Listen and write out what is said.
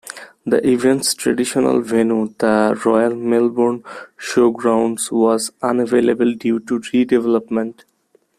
The event's traditional venue, the Royal Melbourne Showgrounds was unavailable due to redevelopment.